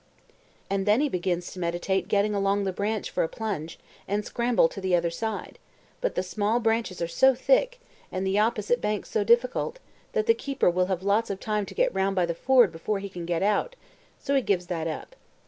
And then he begins to meditate getting along the branch for a plunge, and scramble to the other side; but the small branches are so thick, and the opposite bank so difficult, that the keeper will have lots of time to get round by the ford before he can get out, so he gives that up.